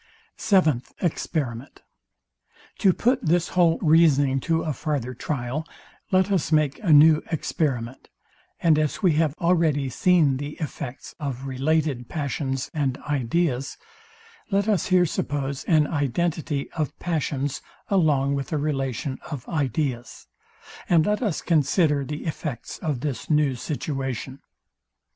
Seventh Experiment. To put this whole reasoning to a farther trial, let us make a new experiment; and as we have already seen the effects of related passions and ideas, let us here suppose an identity of passions along with a relation of ideas; and let us consider the effects of this new situation.